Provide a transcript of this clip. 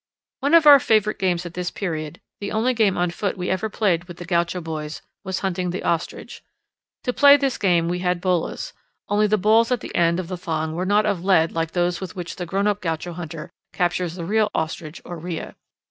One of our favourite games at this period the only game on foot we ever played with the gaucho boys was hunting the ostrich. To play this game we had bolas, only the balls at the end of the thong were not of lead like those with which the grown up gaucho hunter captures the real ostrich or rhea.